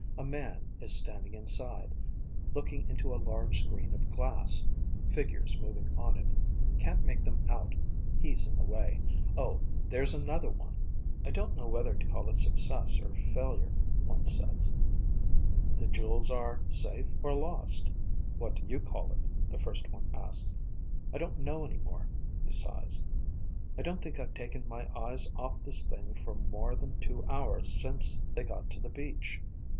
A man is standing inside, looking into a large screen of glass. Figures moving on it. Can't make them out, he's in the way. Oh, there's another one._ "I don't know whether to call it success or failure," one says. "The jewels are ... safe or lost?" _"What do you call it?" the first one asks. "I don't know any more." He sighs. "I don't think I've taken my eyes off this thing for more than two hours since they got to the beach.